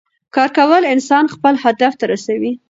کار کول انسان خپل هدف ته رسوي